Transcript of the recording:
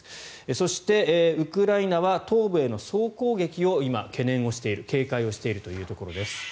そして、ウクライナは東部への総攻撃を今、懸念をしている警戒をしているところです。